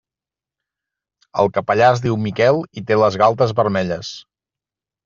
El capellà es diu Miquel i té les galtes vermelles.